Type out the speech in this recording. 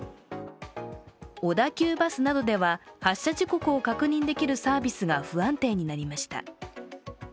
小田急バスなどでは発車時刻を確認できるサービスが不安定になりました。